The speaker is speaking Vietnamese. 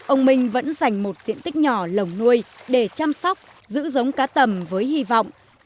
ông minh vẫn dành một diện tích nhỏ lồng nuôi để chăm sóc giữ giống cá tầm với hy vọng